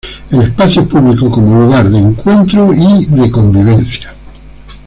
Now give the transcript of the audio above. el espacio público como lugar de encuentro y de convivencia